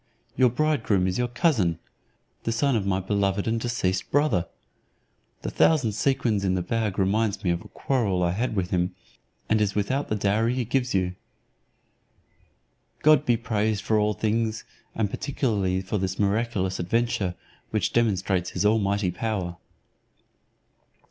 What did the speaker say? Your bridegroom is your cousin, the son of my beloved and deceased brother. The thousand sequins in the bag reminds me of a quarrel I had with him, and is without the dowry he gives you. God be praised for all things, and particularly for this miraculous adventure, which demonstrates his almighty power."